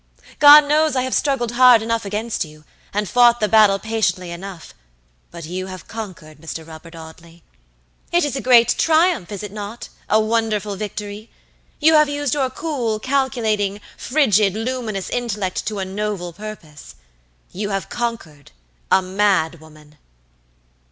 God knows I have struggled hard enough against you, and fought the battle patiently enough; but you have conquered, Mr. Robert Audley. It is a great triumph, is it nota wonderful victory? You have used your cool, calculating, frigid, luminous intellect to a noble purpose. You have conquereda MAD WOMAN!"